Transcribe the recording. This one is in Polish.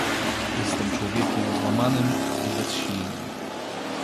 — Jestem człowiekiem złamanym i bezsilnym!